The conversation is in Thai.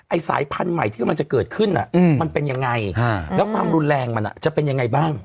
สายพันธุ์ใหม่ที่กำลังจะเกิดขึ้นมันเป็นยังไงแล้วความรุนแรงมันจะเป็นยังไงบ้าง